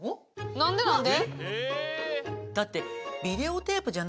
なんで、なんで？